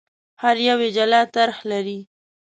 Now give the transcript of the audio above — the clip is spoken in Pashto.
هر یو یې جلا طرح لري.